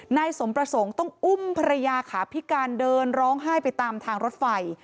นายสมประสงค์ต้องอุ้มภรรยาขาพิการเดินร้องไห้ไปตามทางรถไฟ